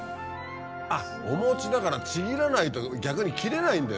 あっお餅だからちぎらないと逆に切れないんだよ